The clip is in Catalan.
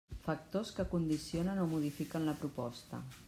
Factors que condicionen o modifiquen la proposta.